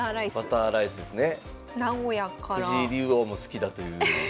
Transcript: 藤井竜王も好きだという。